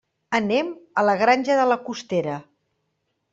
Anem a la Granja de la Costera.